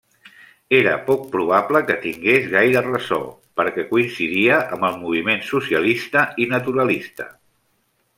Era poc probable que tingués gaire ressò perquè coincidia amb el moviment socialista i naturalista.